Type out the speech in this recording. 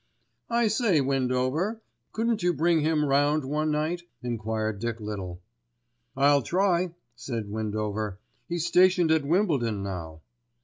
"I say, Windover, couldn't you bring him round one night?" enquired Dick Little. "I'll try," said Windover. "He's stationed at Wimbledon now."